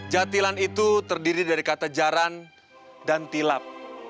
jatilan itu terdiri dari kata jaran dan tilap